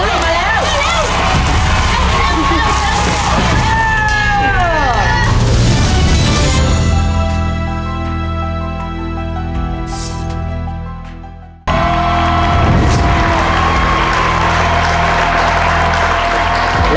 เร็วเร็วเร็ว